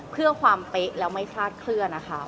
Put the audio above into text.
เพื่อความเป๊ะแล้วไม่คลาดเคลื่อนนะคะ